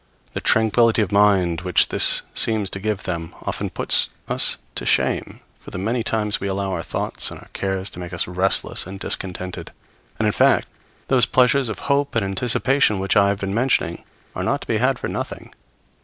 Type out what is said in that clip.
The tranquillity of mind which this seems to give them often puts us to shame for the many times we allow our thoughts and our cares to make us restless and discontented. And, in fact, those pleasures of hope and anticipation which I have been mentioning are not to be had for nothing.